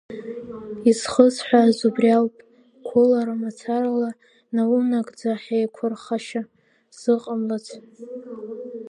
Изхысҳәааз убри ауп, қәылара мацарала наунагӡа хеиқәырхашьа зыҟамлац!